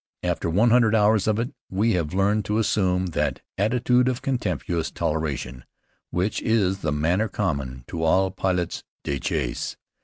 After one hundred hours of it, we have learned to assume that attitude of contemptuous toleration which is the manner common to all pilotes de chasse.